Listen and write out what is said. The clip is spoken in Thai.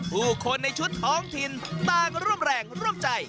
ผู้คนในชุดท้องถิ่นต่างร่วมแรงร่วมใจ